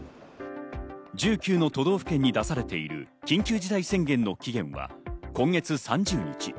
１９の都道府県に出されている緊急事態宣言の期限は今月３０日。